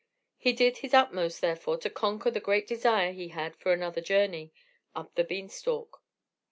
He did his utmost, therefore, to conquer the great desire he had for another journey up the bean stalk.